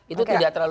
itu tidak terlalu